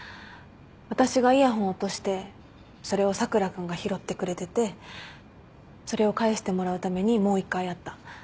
私がイヤホン落としてそれを佐倉君が拾ってくれててそれを返してもらうためにもう一回会った。